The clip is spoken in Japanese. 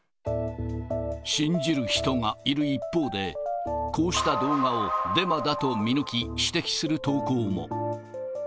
信じる人がいる一方で、こうした動画をデマだと見抜き、指摘する投稿も。